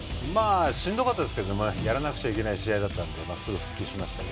しんどかったですけどやらなくちゃいけない試合だったのですぐ復帰しました。